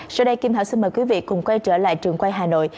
sau đây kim thảo xin mời quý vị cùng quay trở lại trường quay hà nội